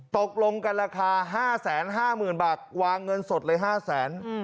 ตกลงกันราคาห้าแสนห้าหมื่นบาทวางเงินสดเลยห้าแสนอืม